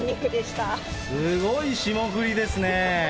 すごい霜降りですね。